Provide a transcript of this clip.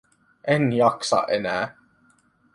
En jaksa enää.